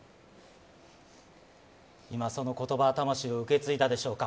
今、そのことば、魂を受け継いだでしょうか。